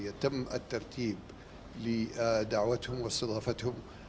yang telah ditertibkan untuk da'at dan istilafat